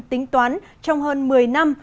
tính toán trong hơn một mươi năm